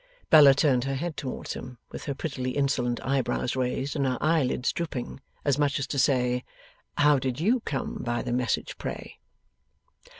Bella turned her head towards him, with her prettily insolent eyebrows raised, and her eyelids drooping. As much as to say, 'How did YOU come by the message, pray?